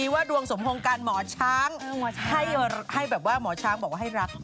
ว่าดวงสมพงการหมอช้างให้แบบว่าหมอช้างบอกว่าให้รัก